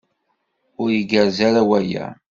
Ur igerrez ara waya?